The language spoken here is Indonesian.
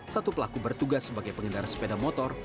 satu pelaku bertugas sebagai pengendara sepeda motor